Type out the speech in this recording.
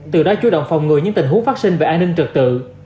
từ đó chú động phòng ngừa những tình huống phát sinh về an ninh trật tự